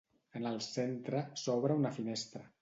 En el centre s'obre una finestra.